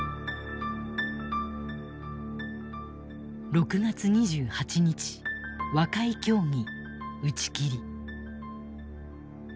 ６月２８日和解協議打ち切り。